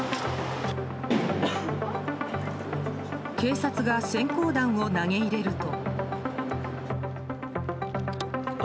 警察が閃光弾を投げ入れると。